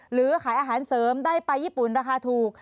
หรือขายอาหารเสริมได้ไปญี่ปุ่นราคาถูก